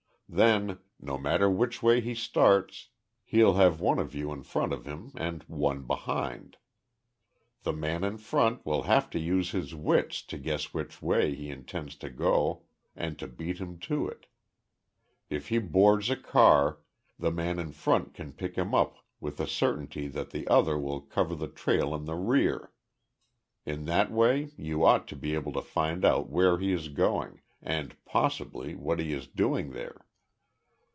Then, no matter which way he starts he'll have one of you in front of him and one behind. The man in front will have to use his wits to guess which way he intends to go and to beat him to it. If he boards a car, the man in front can pick him up with the certainty that the other will cover the trail in the rear. In that way you ought to be able to find out where he is going and, possibly, what he is doing there."